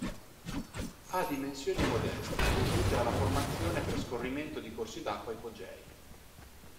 Ha dimensioni modeste dovute alla formazione per scorrimento di corsi d'acqua ipogei.